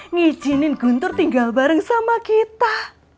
ngizinin guntur tinggal bareng sama kita